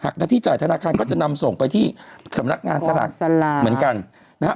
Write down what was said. หน้าที่จ่ายธนาคารก็จะนำส่งไปที่สำนักงานสลากเหมือนกันนะฮะ